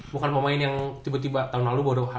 bukan pemain yang tiba tiba tahun lalu bodoh